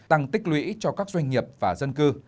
tăng tích lũy cho các doanh nghiệp và dân cư